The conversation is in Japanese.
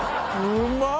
うまっ！